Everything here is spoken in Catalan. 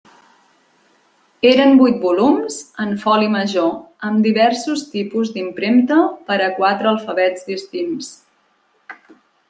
Eren vuit volums en foli major, amb diversos tipus d'impremta per a quatre alfabets distints.